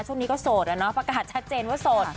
ช่วงนี้ก็โสดอะเนาะประกาศชัดเจนว่าโสด